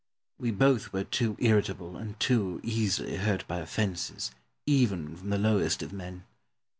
We both were too irritable and too easily hurt by offences, even from the lowest of men.